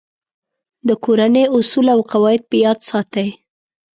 د کورنۍ اصول او قواعد په یاد ساتئ.